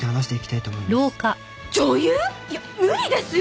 いや無理ですよ！